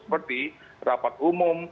seperti rapat umum